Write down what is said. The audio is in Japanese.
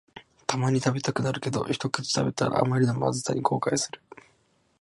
たまに食べたくなるけど、ひとくち食べたらあまりのまずさに後悔する